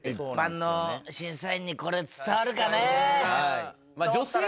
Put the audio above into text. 一般の審査員にこれ伝わるかね？